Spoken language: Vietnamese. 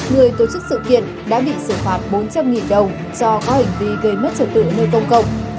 người tổ chức sự kiện đã bị xử phạt bốn trăm linh đồng do có hình tí gây mất trở tựa nơi công cộng